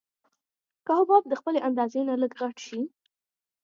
که حباب د خپلې اندازې نه لږ غټ شي.